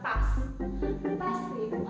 pas sih pas